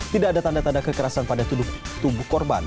tidak ada tanda tanda kekerasan pada tubuh korban